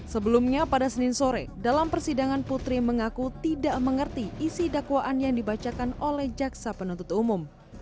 sebelumnya pada senin sore dalam persidangan putri mengaku tidak mengerti isi dakwaan yang dibacakan oleh jaksa penuntut umum